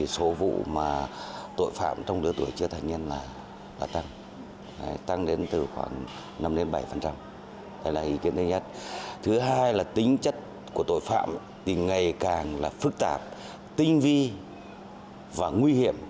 số vụ tội phạm trong đứa tuổi chưa thành nhân là tăng tăng đến từ khoảng năm bảy